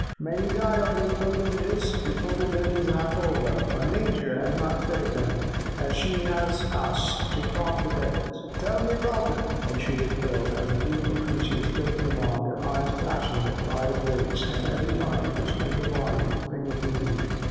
Many die on these pilgrimages before the journey is half over, for Nature has not fitted them, as she has us, to cross the desert." "Tell me about them!" entreated Phil, as the beautiful creatures still came on, their eyes flashing with pride of race, and every line of their slender bodies a thing of beauty.